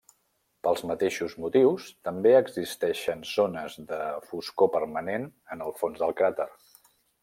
Pels mateixos motius, també existeixen zones de foscor permanent en el fons del cràter.